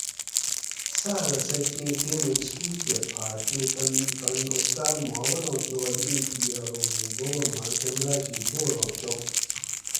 ساۤرہ سہ کیں ٹیمہ اِسکول کہۤ پھاۤڛ تے تن تانی استاذ ما اوالاں سوال ایں کیِر ارو موں بوبہ ماۤں کمرہ شی بوراں چُم